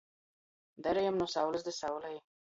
Darejom nu saulis da saulei.